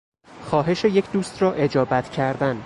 خواهش یک دوست را اجابت کردن